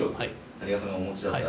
谷川さんがお持ちだった